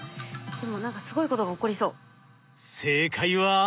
でも何かすごいことが起こりそう。